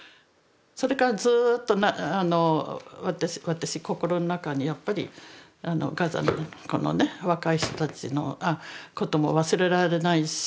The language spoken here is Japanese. それからずっと私心の中にやっぱりガザのこのね若い人たちのことも忘れられないし。